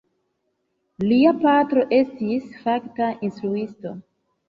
Lia patro estis faka instruisto.